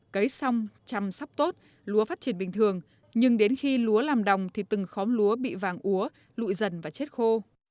cấy xong chăm sóc tốt lúa phát triển bình thường nhưng đến khi lúa làm đồng thì từng khóm lúa bị vàng úa lụi dần và chết khô